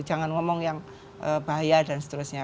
jangan ngomong yang bahaya dan seterusnya